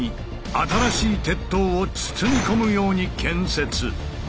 新しい鉄塔を包み込むように建設。